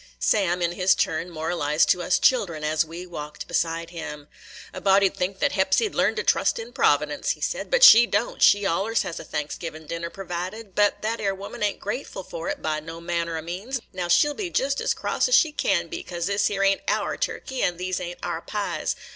Sam, in his turn, moralized to us children, as we walked beside him: "A body 'd think that Hepsy 'd learn to trust in Providence," he said, "but she don't. She allers has a Thanksgiving dinner pervided; but that 'ere woman ain't grateful for it, by no manner o' means. Now she 'll be jest as cross as she can be, cause this 'ere ain't our turkey, and these 'ere ain't our pies.